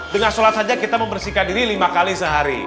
dengan sholat saja kita membersihkan diri lima kali sehari